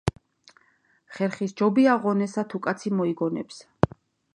ხერხი სჯობია ღონესა თუ კაცი მოიგონებსა